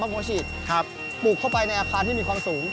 พร้อมหัวฉีดครับปลูกเข้าไปในอาคารที่มีความสูง